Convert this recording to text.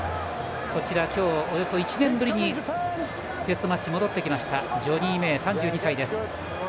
今日およそ１年ぶりにテストマッチに戻ってきましたジョニー・メイ、３２歳です。